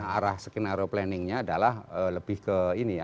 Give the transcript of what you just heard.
arah skenario planningnya adalah lebih ke ini ya